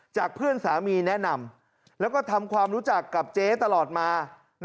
เพื่อนสามีแนะนำแล้วก็ทำความรู้จักกับเจ๊ตลอดมา